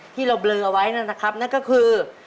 ที่เราเบลอไว้นั่นนะครับนั่นก็คือ